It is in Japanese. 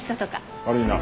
悪いな。